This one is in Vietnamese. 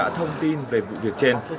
thông tin về vụ việc trên